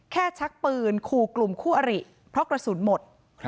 ชักปืนขู่กลุ่มคู่อริเพราะกระสุนหมด